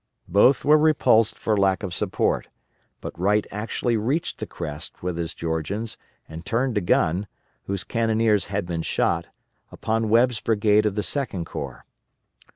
Both were repulsed for lack of support, but Wright actually reached the crest with his Georgians and turned a gun, whose cannoneers had been shot, upon Webb's brigade of the Second Corps.